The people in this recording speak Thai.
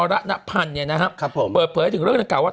อ่อระนะพันธุ์เนี่ยนะครับเพลิกเพลิกถึงเรื่องเข้ากันว่า